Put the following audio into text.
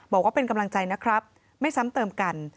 บอกว่าเป็นกำลังใจนะครับไม่ซ้ำเติมกัน